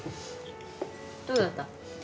どうだった？